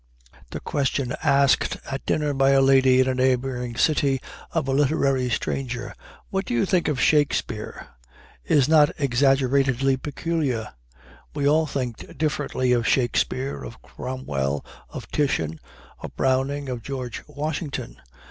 The question asked at dinner by a lady in a neighboring city of a literary stranger, "What do you think of Shakespeare?" is not exaggeratedly peculiar. We all think differently of Shakespeare, of Cromwell, of Titian, of Browning, of George Washington.